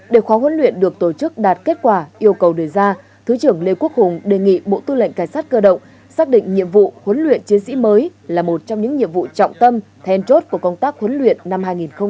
để khóa huấn luyện được tổ chức đạt kết quả yêu cầu đề ra thứ trưởng lê quốc hùng đề nghị bộ tư lệnh cảnh sát cơ động xác định nhiệm vụ huấn luyện chiến sĩ mới là một trong những nhiệm vụ trọng tâm then chốt của công tác huấn luyện năm hai nghìn hai mươi